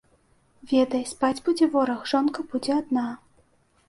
Ведай, спаць будзе вораг, жонка будзе адна.